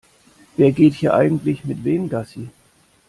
Wer geht hier eigentlich mit wem Gassi?